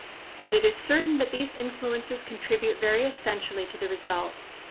But it is certain that these influences contribute very essentially to the result.